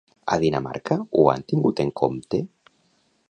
A Dinamarca ho han tingut en compte?